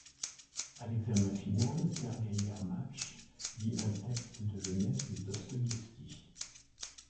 À l'examen final, Sergueï Garmach lit un texte de jeunesse de Dostoïevski.